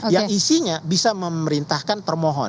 yang isinya bisa memerintahkan permohon